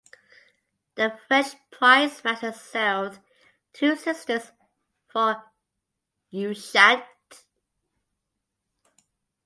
The French prize master sailed "Two Sisters" for Ushant.